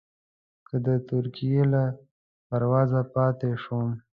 که د ترکیې له پروازه پاتې شوم.